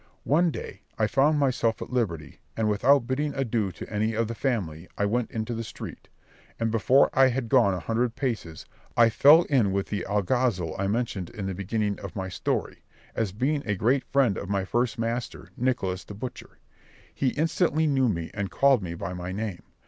One day, I found myself at liberty, and without bidding adieu to any of the family, I went into the street; and before I had gone a hundred paces, I fell in with the alguazil I mentioned in the beginning of my story, as being a great friend of my first master Nicholas the butcher. He instantly knew me, and called me by my name.